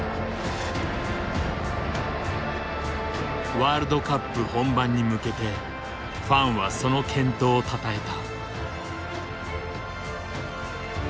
ワールドカップ本番に向けてファンはその健闘をたたえた。